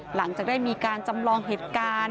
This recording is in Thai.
หลังจากได้มีการจำลองเหตุการณ์